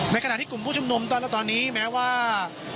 ขณะที่กลุ่มผู้ชุมนุมตอนนี้แม้ว่า